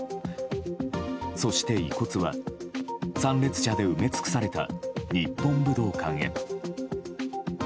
そして遺骨は、参列者で埋め尽くされた日本武道館へ。